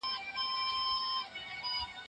عمر یې په کشمکش تېر سو